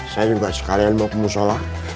saya juga sekalian mau ke musola